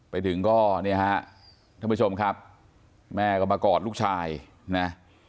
ไปถึงก็เนี่ยฮะท่านผู้ชมครับแม่ก็มากอดลูกชายนะ